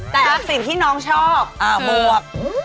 แต่อักษิตที่น้องชอบคืออ้าวบวก